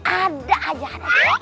ada aja ada aja